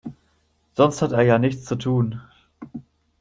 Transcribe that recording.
Sonst hat er ja nichts zu tun.